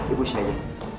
ibu siap aja